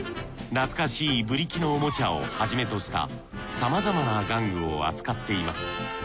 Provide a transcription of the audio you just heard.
懐かしいブリキのおもちゃをはじめとしたさまざまな玩具を扱っています。